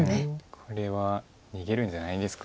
これは逃げるんじゃないですか。